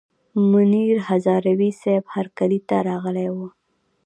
منیر هزاروي صیب هرکلي ته راغلي ول.